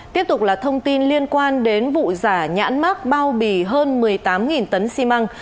tiếp tục là thông tin liên quan đến vụ giả nhãn mát bao bì hơn một mươi tám tấn xi măng